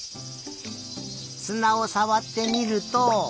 すなをさわってみると。